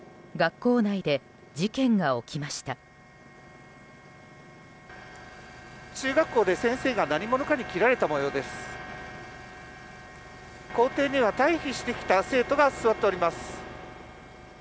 校庭では退避してきた生徒が座っております。